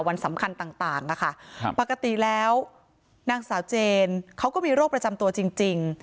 วันสำคัญต่างนะคะปกติแล้วนางสาวเจนเขาก็มีโรคประจำตัวจริง